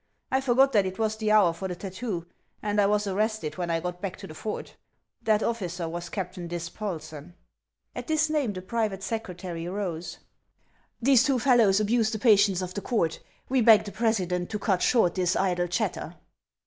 I forgot that it was the hour for the tattoo, and I was arrested when I got back to the fort. That officer was Captain Dispolseu." At this name the private secretary rose. "These two fellows abuse the patience of the court. We beg the president to cut short this idle chatter."